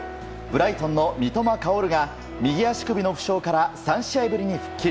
ブライトンの三笘薫が右足首の負傷から３試合ぶりに復帰。